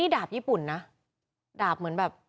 ดาบญี่ปุ่นนะดาบเหมือนแบบ